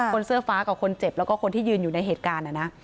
เสื้อฟ้ากับคนเจ็บแล้วก็คนที่ยืนอยู่ในเหตุการณ์นะ